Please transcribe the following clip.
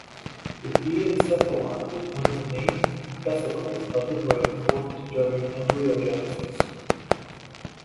The diencephalon is one of the main vesicles of the brain formed during embryogenesis.